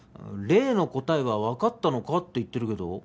「例の答えはわかったのか？」って言ってるけど。